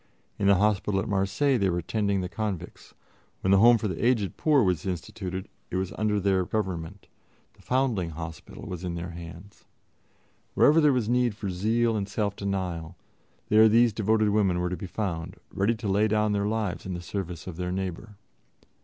In the hospital at Marseilles they were tending the convicts; when the home for the aged poor was instituted, it was under their government; the Foundling Hospital was in their hands. Wherever there was need for zeal and self denial, there these devoted women were to be found, ready to lay down their lives in the service of their neighbor.